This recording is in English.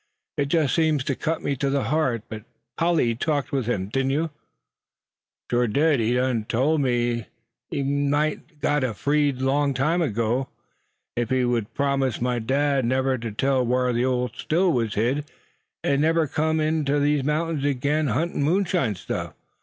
It just seems to cut me to the heart. But Polly, you talked with him, didn't you?" "Shore I did. He done tole me he mout a got free a long time ago, if he'd 'greed ter promise my dad never ter tell whar ther ole Still war hid; an' never ter kim inter ther mountings agin ahuntin' moonshine stuff.